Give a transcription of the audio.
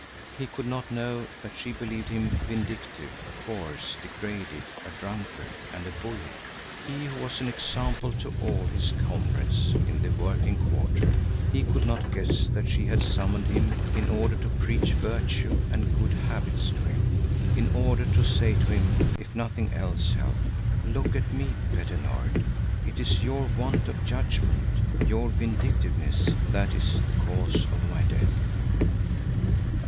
He could not know that she believed him vindictive, coarse, degraded, a drunkard and a bully. He who was an example to all his comrades in the working quarter, he could not guess that she had summoned him, in order to preach virtue and good habits to him, in order to say to him, if nothing else helped: "Look at me, Petter Nord! It is your want of judgment, your vindictiveness, that is the cause of my death.